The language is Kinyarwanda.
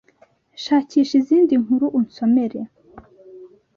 SHAKISHA IZINDI NKURU unsomere